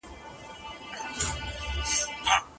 ايا له وړوکتوبه د ليکلو او مطالعې شوق لرې؟